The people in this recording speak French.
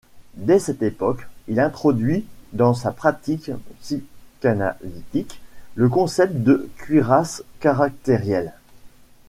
Dès cette époque, il introduit dans sa pratique psychanalytique le concept de cuirasse caractérielle.